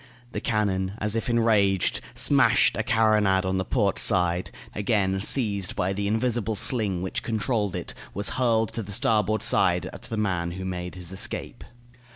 The cannon, as if enraged, smashed a carronade on the port side; then, again seized by the invisible sling which controlled it, it was hurled to the starboard side at the man, who made his escape.